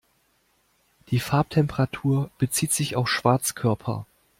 Die Farbtemperatur bezieht sich auf Schwarzkörper.